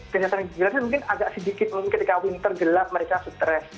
kenyataan di indonesia mungkin agak sedikit mungkin ketika winter gelap mereka stress